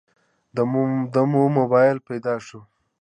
دمو مباييل پيدو شه.